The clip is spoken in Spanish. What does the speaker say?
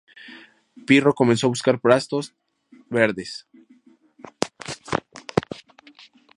Pirro comenzó a buscar pastos más verdes.